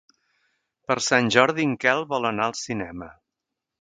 Per Sant Jordi en Quel vol anar al cinema.